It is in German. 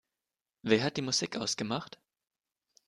Wer hat die Musik ausgemacht?